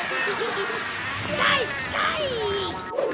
近い近い！